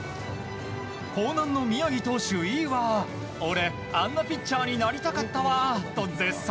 興南の宮城投手、いいわ俺、あんなピッチャーになりたかったわと絶賛。